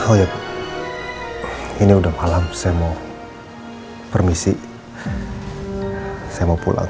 oh ya ini udah malam saya mau permisi saya mau pulang